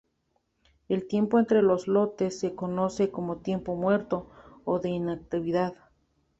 El tiempo entre los lotes se conoce como tiempo muerto o de inactividad.